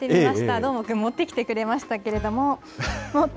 どーもくん、持ってきてくれましたけども。